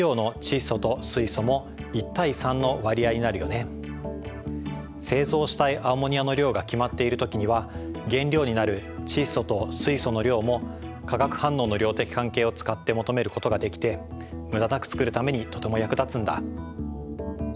例えば製造したいアンモニアの量が決まっている時には原料になる窒素と水素の量も化学反応の量的関係を使って求めることができて無駄なくつくるためにとても役立つんだ。